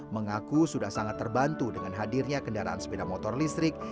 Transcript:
mengaku sudah sangat terbantu dengan hadirnya kendaraan sepeda motor listrik